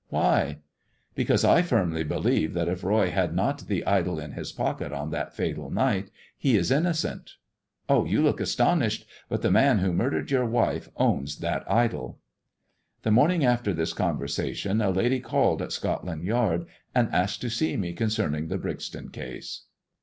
Why ]"" Because I firmly believe that if Roy had not the idol in his pocket on that fatal night he is innocent. Oh, you look astonished, but the man who murdered your wife owns that idol." The morning after this conversation a lady called at Scotland Yard, and asked to see me concerning the Brixton case.